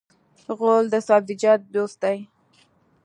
غول د سبزیجاتو دوست دی.